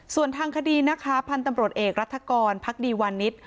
ส่วนทางคดีนะคะพันธุ์ตำรวจเอกรัฐกรพักดีวันนิษฐ์